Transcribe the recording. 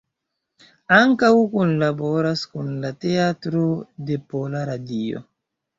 Ankaŭ kunlaboras kun la Teatro de Pola Radio.